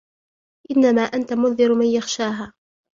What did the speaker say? إِنَّمَا أَنْتَ مُنْذِرُ مَنْ يَخْشَاهَا